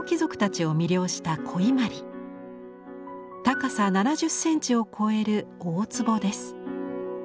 高さ７０センチを超える大つぼです。